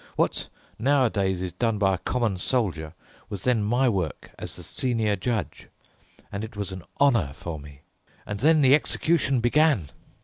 What nowadays is done by a common soldier was then my work as the senior judge, and it was a honour for me. And then the execution began!